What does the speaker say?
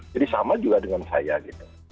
sama juga dengan saya gitu